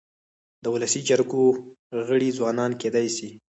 د ولسي جرګو غړي ځوانان کيدای سي.